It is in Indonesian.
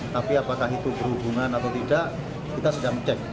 tapi apakah itu berhubungan atau tidak kita sedang cek